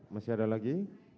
masih ada lagi